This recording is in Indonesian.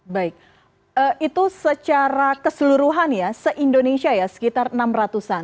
baik itu secara keseluruhan ya se indonesia ya sekitar enam ratus an